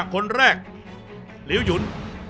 คนแรกลิ้วยุ้น